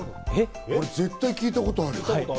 俺、絶対聞いたことある。